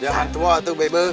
jangan tua bebe